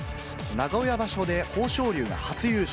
名古屋場所で豊昇龍が初優勝。